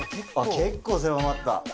結構狭まった。